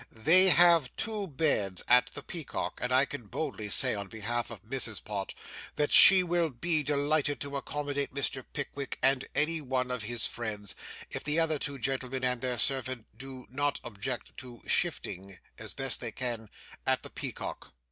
They have two beds at the Peacock, and I can boldly say, on behalf of Mrs. Pott, that she will be delighted to accommodate Mr. Pickwick and any one of his friends, if the other two gentlemen and their servant do not object to shifting, as they best can, at the Peacock.